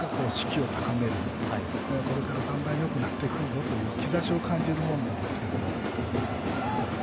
そして、チームが勝つということが士気を高めるこれからだんだんよくなってくるぞという兆しを感じるものなんですが。